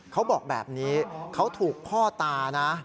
เขาบอกแบบนี้เขาถูกพ่อตานะ